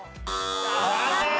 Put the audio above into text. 残念！